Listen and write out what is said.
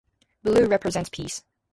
Blue represents peace.